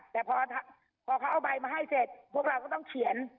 แต่พอเขาเอาใบมาให้เสร็จพวกเราก็ต้องเขียน